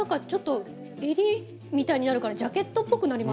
えりみたいになるからジャケットっぽくなりますね。